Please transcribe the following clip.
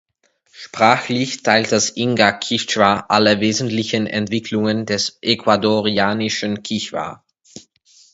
Sprachlich teilt das Inga-Kichwa alle wesentlichen Entwicklungen des ecuadorianischen Kichwa.